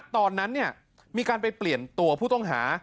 ตอนนั้นมีการไปเปลี่ยนตัวผู้ต้องหา